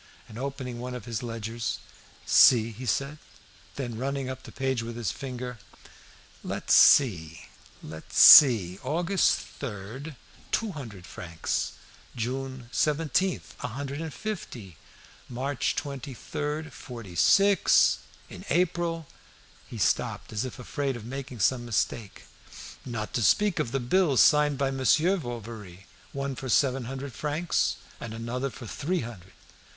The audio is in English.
And opening one of his ledgers, "See," he said. Then running up the page with his finger, "Let's see! let's see! August 3d, two hundred francs; June 17th, a hundred and fifty; March 23d, forty six. In April " He stopped, as if afraid of making some mistake. "Not to speak of the bills signed by Monsieur Bovary, one for seven hundred francs, and another for three hundred.